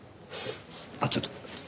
あっちょっと。